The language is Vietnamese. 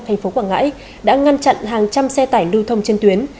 thành phố quảng ngãi đã ngăn chặn hàng trăm xe tải lưu thông trên tuyến